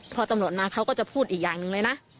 พอตำรวจมาเขาก็จะพูดอีกอย่างหนึ่งเลยนะ